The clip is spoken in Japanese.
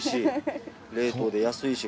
冷凍で安いし。